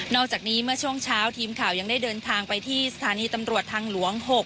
อกจากนี้เมื่อช่วงเช้าทีมข่าวยังได้เดินทางไปที่สถานีตำรวจทางหลวง๖